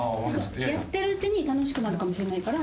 やってるうちに楽しくなるかもしれないから。